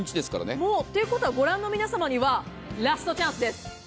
長谷川ということは、ご覧の皆様にはラストチャンスです。